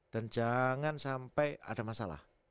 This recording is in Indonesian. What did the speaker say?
dan jangan sampai ada masalah